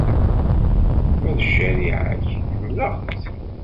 Ma d ccariɛa-k, ḥemmleɣ-tt.